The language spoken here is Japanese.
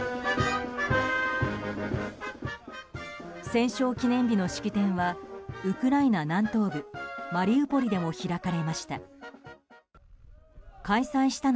戦勝記念日の式典はウクライナ南東部マリウポリでも開かれました。